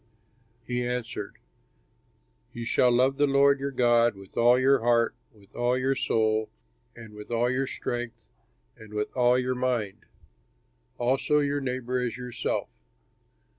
He answered, "You shall love the Lord your God with all your heart, with all your soul, and with all your strength and with all your mind; also your neighbor as yourself."